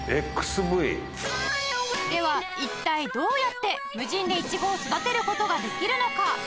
では一体どうやって無人でイチゴを育てる事ができるのか？